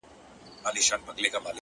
هغه شپه مي ټوله سندريزه وه _